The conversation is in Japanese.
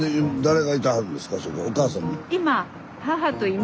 お母さん？